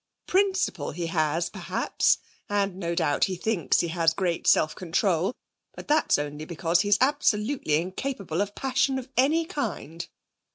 Principle he has, perhaps, and no doubt he thinks he has great self control, but that's only because he's absolutely incapable of passion of any kind.'